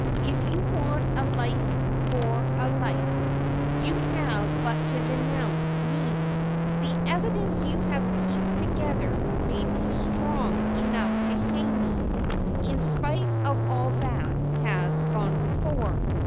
If you want a life for a life, you have but to denounce me. The evidence you have pieced together may be strong enough to hang me, in spite of all that has gone before.'